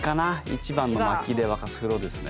１番の「まきで沸かす風呂」ですね。